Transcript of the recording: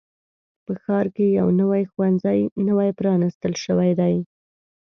په ښار کې یو نوي ښوونځی نوی پرانیستل شوی دی.